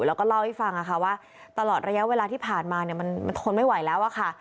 แล้วก็เล่าให้ฟังนะคะว่าตลอดระยะเวลาที่ผ่านมาเนี่ยมันทนไม่ไหวแล้วอะค่ะ